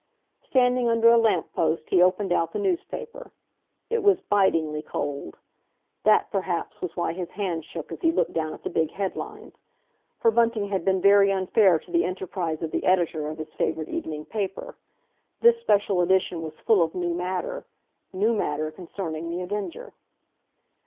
Standing under a lamp post, he opened out the newspaper. It was bitingly cold; that, perhaps, was why his hand shook as he looked down at the big headlines. For Bunting had been very unfair to the enterprise of the editor of his favourite evening paper. This special edition was full of new matter—new matter concerning The Avenger.